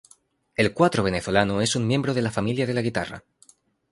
El Cuatro Venezolano es un miembro de la familia de la guitarra.